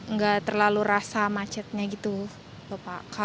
nggak terlalu rasa macetnya gitu bapak